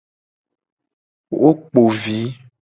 Wo kpo vi.